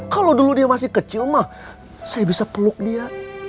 kalau dulu dia masih kecil mah saya bisa peluk dia